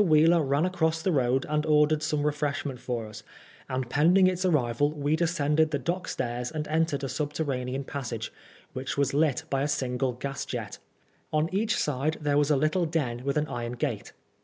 Wheeler ran across the road and ordered some re freshment for us, and pending its arrival we descended the dock stairs and entered a sub terranean passage, which was lit by a single gas jet. On each side there was a little den with an iron gate.